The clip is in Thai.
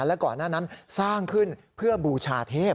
และก่อนหน้านั้นสร้างขึ้นเพื่อบูชาเทพ